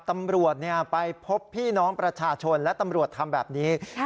ตำรวจไปพบพี่น้องประชาชนและตำรวจทำแบบนี้